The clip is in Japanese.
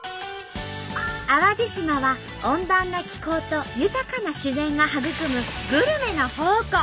淡路島は温暖な気候と豊かな自然が育むグルメの宝庫！